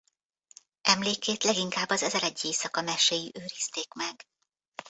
Emlékét leginkább Az Ezeregyéjszaka meséi őrizték meg.